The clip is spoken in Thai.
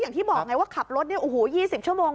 อย่างที่บอกว่าขับรถ๒๐ชั่วโมง